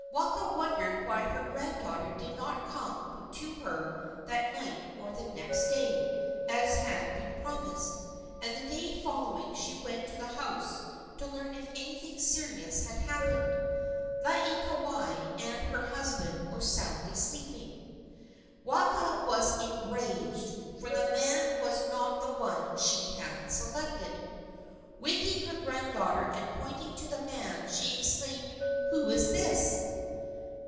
Waka wondered why her granddaughter did not come to her that night or the next day, as had been promised, and the day following she went to the house to learn if anything serious had happened. Laieikawai and her husband were sleeping soundly. Waka was enraged, for the man was not the one she had selected. Waking her granddaughter and pointing to the man, she exclaimed, "Who is this?"